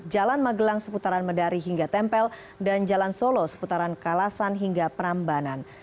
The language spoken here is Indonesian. jalan magelang seputaran medari hingga tempel dan jalan solo seputaran kalasan hingga prambanan